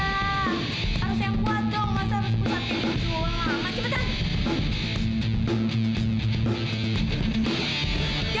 harus yang kuat dong masa harus pusat yang jual